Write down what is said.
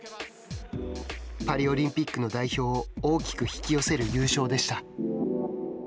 パリオリンピックの代表を大きく引き寄せる優勝でした。